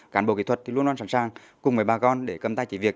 cán bộ kỹ thuật thì luôn luôn sẵn sàng cùng với bà con để cầm tay chỉ việc